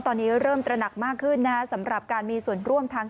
ตอนนี้เริ่มตระหนักมากขึ้นนะฮะสำหรับการมีส่วนร่วมทาง